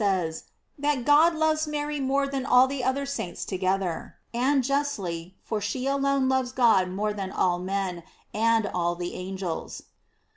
733 Bays, that God loves Mary more than all the oth er saints together, and justly, for she alone loves God more than all men and all the angels.